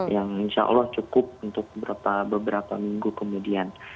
yang insya allah cukup untuk beberapa minggu kemudian